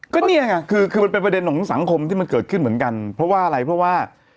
ก็เนี่ยไงคือคือมันเป็นประเด็นของสังคมที่มันเกิดขึ้นเหมือนกันเพราะว่าอะไรเพราะว่า